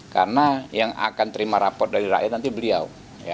karena yang akan terima rapor dari rakyat nanti beliau